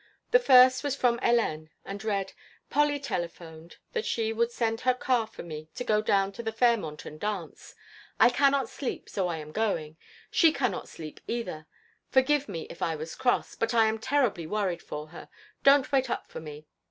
The first was from Hélène and read: "Polly telephoned that she would send her car for me to go down to the Fairmont and dance. I cannot sleep so I am going. She cannot sleep either! Forgive me if I was cross, but I am terribly worried for her. Don't wait up for me.